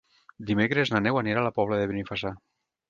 Dimecres na Neus anirà a la Pobla de Benifassà.